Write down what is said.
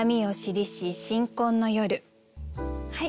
はい！